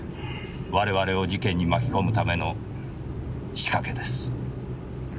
我々を事件に巻き込むための仕掛けです。